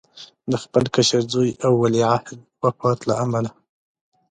د خپل کشر زوی او ولیعهد وفات له امله.